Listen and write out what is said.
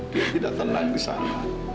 dia tidak tenang di sana